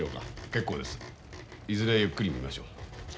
結構ですいずれゆっくり見ましょう。